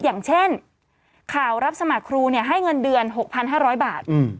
อย่างเช่นข่าวรับสมัครครูให้เงินเดือน๖๕๐๐บาท